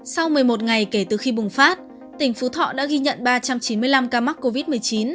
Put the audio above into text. sau một mươi một ngày kể từ khi bùng phát tỉnh phú thọ đã ghi nhận ba trăm chín mươi năm ca mắc covid một mươi chín